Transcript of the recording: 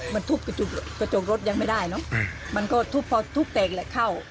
มันทุบกระจกรถยังไม่ได้เนอะมันก็ทุบพอทุบแตกแหละเข้า